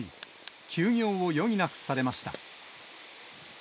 休業を余儀なくされました。